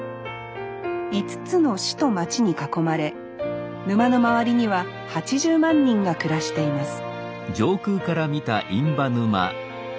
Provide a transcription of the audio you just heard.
５つの市と町に囲まれ沼の周りには８０万人が暮らしています